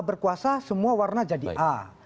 berkuasa semua warna jadi a